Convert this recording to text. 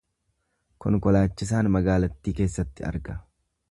Konkolaachisaan magaalattii keessatti arga.